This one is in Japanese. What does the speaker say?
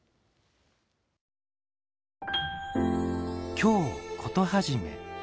「京コトはじめ」。